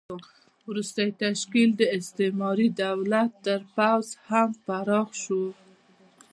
وروسته یې تشکیل د استعماري دولت تر پوځ هم پراخ شو.